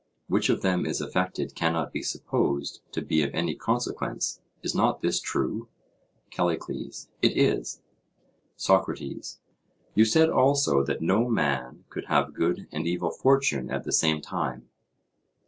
—which of them is affected cannot be supposed to be of any consequence: Is not this true? CALLICLES: It is. SOCRATES: You said also, that no man could have good and evil fortune at the same time?